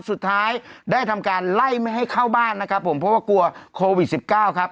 สุดท้ายได้ทำการไล่ไม่ให้เข้าบ้านนะครับผมเพราะว่ากลัวโควิดสิบเก้าครับ